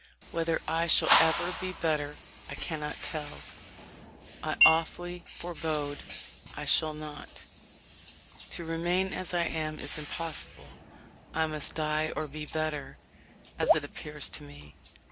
Whether I shall ever be better, I cannot tell ; I awfully forebode I shall not. To remain as I am is impossible. I must die or be better, as it appears to me.